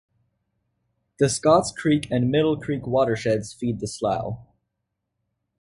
The Scotts Creek and Middle Creek watersheds feed the slough.